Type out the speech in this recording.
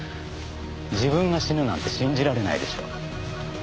自分が死ぬなんて信じられないでしょう。